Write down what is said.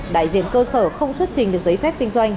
đại diện cơ sở không xuất trình được giấy phép kinh doanh